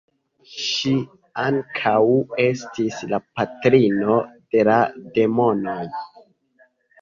Ŝi ankaŭ estis la patrino de la demonoj.